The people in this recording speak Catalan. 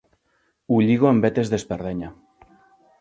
Ho lligo amb vetes d'espardenya.